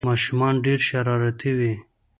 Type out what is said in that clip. ماشومان ډېر شرارتي وي